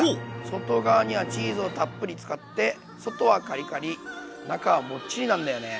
外側にはチーズをたっぷり使って外はカリカリ中はモッチリなんだよね。